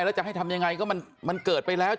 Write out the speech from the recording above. แล้วจะให้ทำยังไงก็มันเกิดไปแล้ว